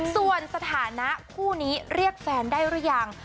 ส่วนสถานะคู่นี้เรียกแฟนได้หรือยัง